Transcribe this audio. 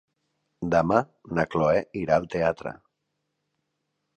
Demà na Cloè irà al teatre.